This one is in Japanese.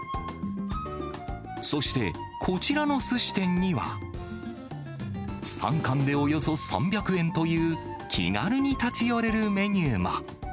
そして、こちらのすし店には、３貫でおよそ３００円という、気軽に立ち寄れるメニューも。